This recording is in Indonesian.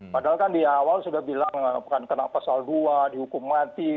padahal kan di awal sudah bilang kenapa saldoa dihukum mati